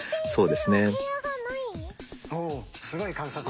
すごい観察力。